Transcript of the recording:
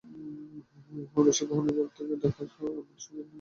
অবসর গ্রহণের পর থেকে, ডাক্তার আমান সুইজারল্যান্ডের জুরিখে বসবাস করছেন।